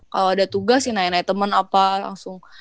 kalau ada tugas ya nanya nanya temen apa langsung